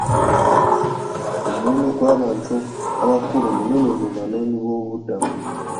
Omuwendo gw'abantu abakulu munene mu banoonyi b'obubudamu.